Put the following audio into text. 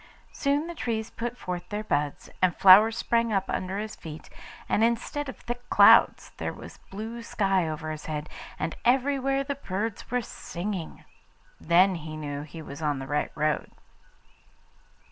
Soon the trees put forth their buds, and flowers sprang up under his feet, and instead of thick clouds there was blue sky over his head, and everywhere the birds were singing. Then he knew that he was in the right road.